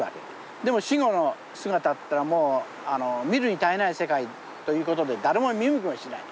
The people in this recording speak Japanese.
でも死後の姿ってのはもう見るに堪えない世界ということで誰も見向きもしない。